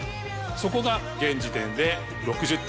そこが現時点で６０点。